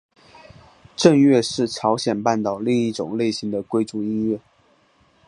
正乐是朝鲜半岛另一种类型的贵族音乐。